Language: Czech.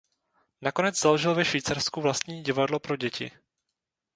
Nakonec založil ve Švýcarsku vlastní divadlo pro děti.